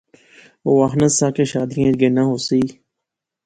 اوہ آخنا سا کہ شادیاں اچ گینا ہوسی